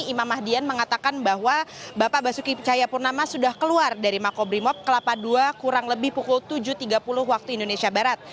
imam mahdian mengatakan bahwa bapak basuki cahayapurnama sudah keluar dari makobrimob kelapa ii kurang lebih pukul tujuh tiga puluh waktu indonesia barat